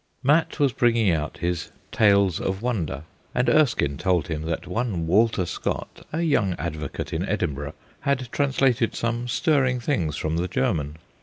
Mat was bringing out his Tales of Wonder, and Erskine told him that one Walter Scott, a young advocate in Edinburgh, had trans lated some stirring things from the German.